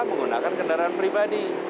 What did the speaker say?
menggunakan kendaraan pribadi